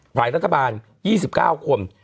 ฝ่ายรัฐบาล๒๙คน